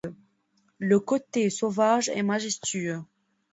Le côté sauvage est majestueux.